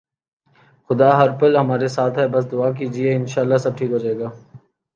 خدا ہر پل ہمارے ساتھ ہے بس دعا کیجئے، انشاءاللہ سب ٹھیک ہوجائےگا